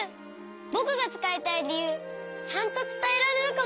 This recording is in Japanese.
ぼくがつかいたいりゆうちゃんとつたえられるかも。